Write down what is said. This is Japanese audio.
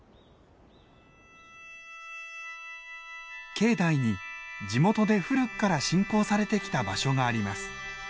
境内に地元で古くから信仰されてきた場所があります。